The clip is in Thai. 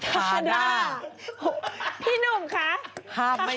ถาด้า